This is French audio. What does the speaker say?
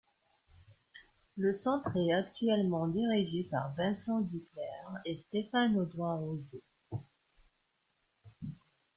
Le Centre est actuellement dirigé par Vincent Duclert et Stéphane Audoin-Rouzeau.